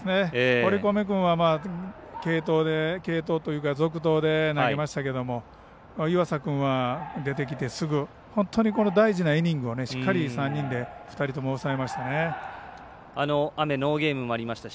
堀米君は続投で投げましたけれども岩佐君は出てきて、すぐ本当に大事なイニングをしっかり３人で２人とも抑えましたね。